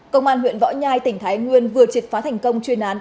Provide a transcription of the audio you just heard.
công an huyện võ nhai tỉnh thái nguyên vừa triệt phá thành công chuyên án